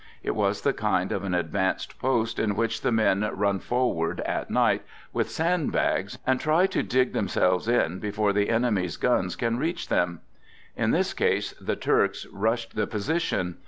It was the kind of an advanced post in which the men run forward, at night, with sandbags, and try to dig themselves in before the enemy's guns can reach them. In this case the Turks rushed the position.